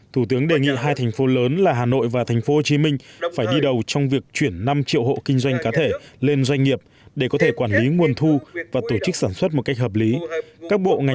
thủ tướng lưu ý hiện có tồn tại lớn trong đầu tư xây dựng cơ bản